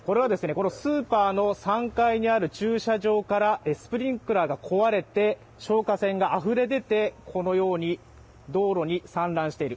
このスーパーの３階にある駐車場からスプリンクラーが壊れて消火栓が溢れ出て、このように、道路に散乱している。